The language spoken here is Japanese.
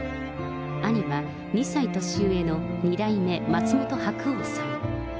兄は、２歳年上の二代目松本白鸚さん。